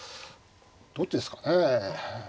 どっちですかね。